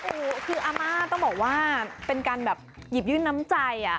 โอ้โหคืออาม่าต้องบอกว่าเป็นการแบบหยิบยื่นน้ำใจ